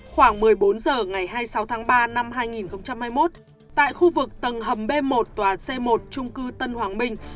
khoảng một mươi bốn h ngày hai mươi sáu tháng ba năm hai nghìn hai mươi một tại khu vực tầng hầm b một tòa c một trung cư tân hoàng minh